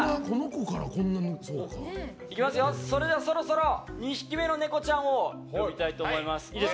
それでは、そろそろ２匹目のネコちゃんを呼びたいと思います。